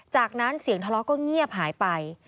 จากนั้นเสียงทะเลาะก็เงียบหายไป